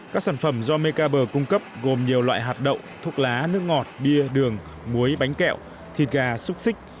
các sản phẩm do megabur cung cấp gồm nhiều loại hạt đậu thuốc lá nước ngọt bia đường muối bánh kẹo thịt gà xúc xích